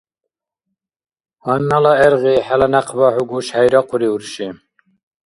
Гьаннала гӀергъи хӀела някъба хӀу гушхӀейрахъури, урши.